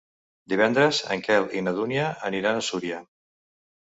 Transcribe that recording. Divendres en Quel i na Dúnia aniran a Súria.